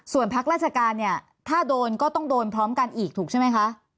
ส่วนพักราชการเนี่ยถ้าโดนก็ต้องโดนพร้อมกันอีกถูกใช่ไหมคะ